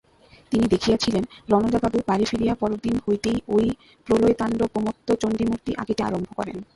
তিনি দেখিয়াছিলেন, রণদাবাবু বাড়ী ফিরিয়া পরদিন হইতেই ঐ প্রলয়তাণ্ডবোন্মত্ত চণ্ডীমূর্তি আঁকিতে আরম্ভ করেন।